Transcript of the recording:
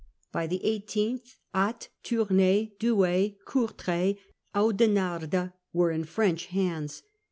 By the 1 8th Ath, Tournai, Douai, Courtrai, Oudenarde were in French hands.